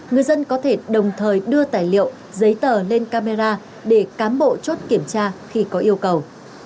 người dân có thể đồng thời đưa tài liệu giấy tờ lên camera để cám bộ chốt kiểm tra khi có yêu cầu